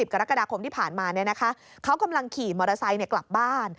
กรกฎาคมที่ผ่านมาเขากำลังขี่มอเตอร์ไซค์กลับบ้าน